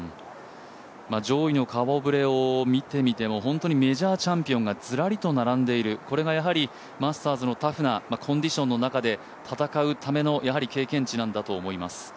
上位の顔ぶれを見てみても本当にメジャーチャンピオンがずらりと並んでいる、これがマスターズのタフなコンディションの中で戦うための経験値なんだと思います。